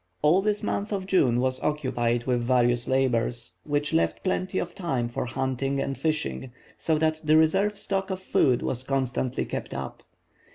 All this month of June was occupied with various labors, which left plenty of time for hunting and fishing, so that the reserve stock of food was constantly kept up.